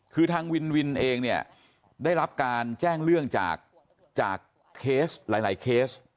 คือทางวินวินเองเนี่ยได้รับการแจ้งเรื่องจากเคสหลายเคส